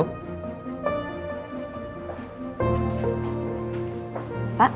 aku juga takut